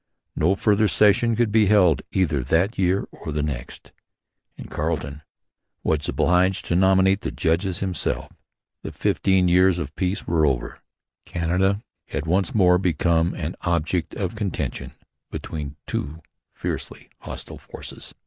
No further session could be held either that year or the next; and Carleton was obliged to nominate the judges himself. The fifteen years of peace were over, and Canada had once more become an object of contention between two fiercely hostile forces.